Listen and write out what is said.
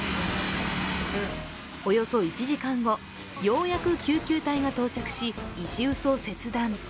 およそ１時間後、ようやく救急隊が到着し、石臼を切断。